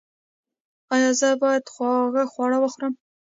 ایا زه باید خوږ خواړه وخورم؟